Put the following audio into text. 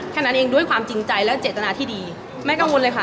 แค่นั้นเองด้วยความจริงใจและเจตนาที่ดีแม่กังวลเลยค่ะ